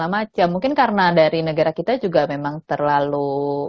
macam mungkin karena dari negara kita juga memang terlalu